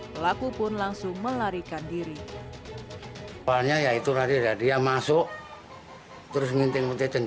pelaku pun langsung melarikan diri